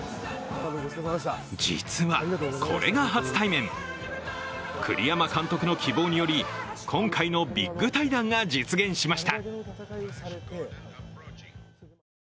実はこれが初対面、栗山監督の希望により、今回のビッグ対談が実現しました。